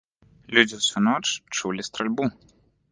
Людзі ўсю ноч чулі стральбу.